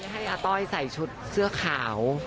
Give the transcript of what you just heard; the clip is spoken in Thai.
ให้อาต้อยใส่ชุดเสื้อขาว